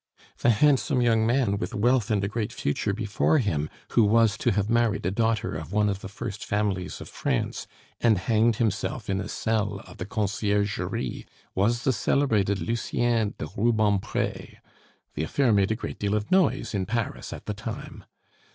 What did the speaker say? The handsome young man with wealth and a great future before him, who was to have married a daughter of one of the first families of France, and hanged himself in a cell of the Conciergerie, was the celebrated Lucien de Rubempre; the affair made a great deal of noise in Paris at the time.